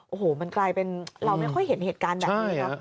โอ้โหมันกลายเป็นเราไม่ค่อยเห็นเหตุการณ์แบบนี้ครับ